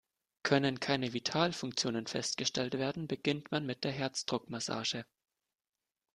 Können keine Vitalfunktionen festgestellt werden, beginnt man mit der Herzdruckmassage.